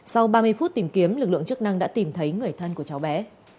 sau ba mươi phút tìm kiếm lực lượng chức năng đã tìm thấy người thân của cháu bé